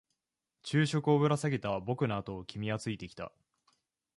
昼食をぶら下げた僕のあとを君はついてきた。